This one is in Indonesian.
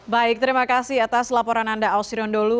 baik terima kasih atas laporan anda ausri rondolu